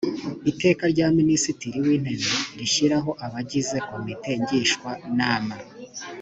iteka rya minisitiri w intebe rishyiraho abagize komite ngishwanama